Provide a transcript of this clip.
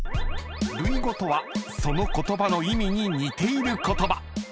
［類語とはその言葉の意味に似ている言葉］